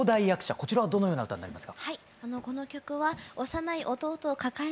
こちらはどのような歌ですか？